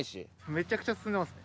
めちゃくちゃ進んでますね